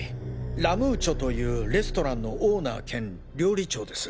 ラ・ムーチョというレストランのオーナー兼料理長です。